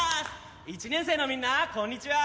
１年生のみんなこんにちは。